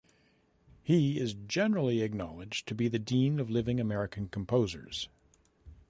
He is generally acknowledged to be the dean of living American composers.